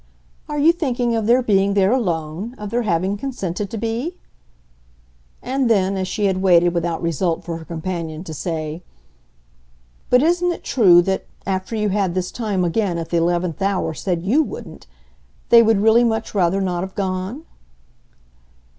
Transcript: "Are you thinking of their being there alone of their having consented to be?" And then as she had waited without result for her companion to say: "But isn't it true that after you had this time again, at the eleventh hour, said YOU wouldn't they would really much rather not have gone?"